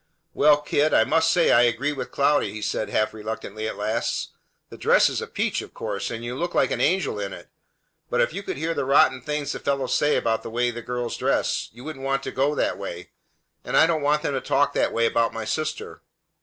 "Well, kid, I must say I agree with Cloudy," he said half reluctantly at last. "The dress is a peach, of course, and you look like an angel in it; but, if you could hear the rotten things the fellows say about the way the girls dress, you wouldn't want to go that way; and I don't want them to talk that way about my sister.